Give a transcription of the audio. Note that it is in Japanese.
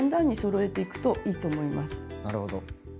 なるほど。